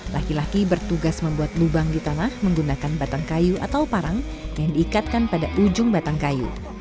laki laki bertugas membuat lubang di tanah menggunakan batang kayu atau parang yang diikatkan pada ujung batang kayu